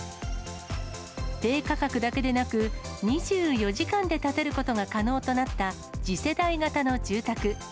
低価格だけでなく、２４時間で建てることが可能となった次世代型の住宅。